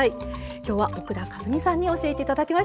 今日は奥田和美さんに教えていただきました。